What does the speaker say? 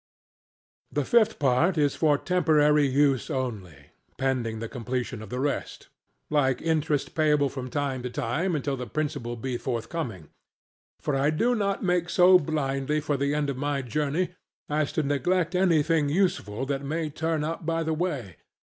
The fifth part is for temporary use only, pending the completion of the rest; like interest payable from time to time until the principal be forthcoming. For I do not make so blindly for the end of my journey, as to neglect anything useful that may turn up by the way.